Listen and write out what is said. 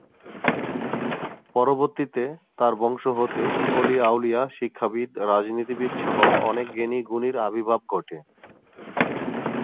পরবর্তীতে তার বংশ হতে ওলী-আউলিয়া, শিক্ষাবিদ, রাজনীতিবিদ সহ অনেক জ্ঞানী-গুণীর আবির্ভাব ঘটে।